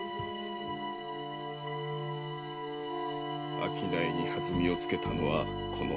商いに弾みをつけたのはこの俺だ。